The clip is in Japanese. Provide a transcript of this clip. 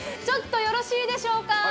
ちょっとよろしいでしょうか？